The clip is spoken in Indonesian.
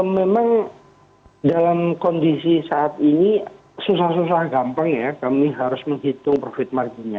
memang dalam kondisi saat ini susah susah gampang ya kami harus menghitung profit marginnya